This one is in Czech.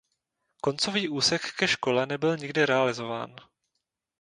Koncový úsek ke škole nebyl nikdy realizován.